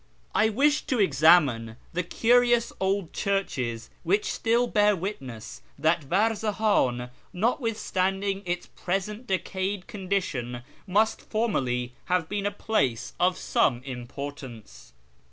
I wished to examine the curious old churches which still bear witness that Varzahan, notwithstanding its present decayed condition, must formerly have been a place of some importance.